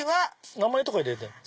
名前とか入れてんの？